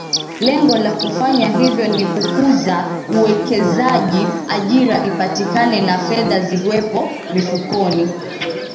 Lengo la kufanya hivyo ni kukuza uwekezaji ajira ipatikane na fedha ziwepo mifukoni